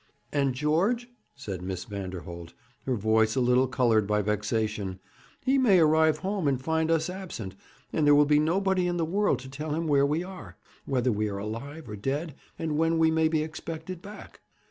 'And George?' said Miss Vanderholt, her voice a little coloured by vexation. 'He may arrive home and find us absent, and there will be nobody in the world to tell him where we are whether we are alive or dead, and when we may be expected back.'